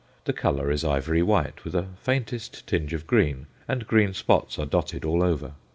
The colour is ivory white, with a faintest tinge of green, and green spots are dotted all over.